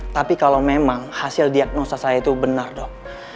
tapi kalau memang hasil diagnosa saya itu benar dok